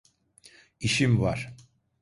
İşim var.